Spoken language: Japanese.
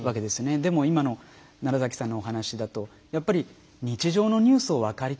でも今の奈良さんのお話だとやっぱり日常のニュースを分かりたい。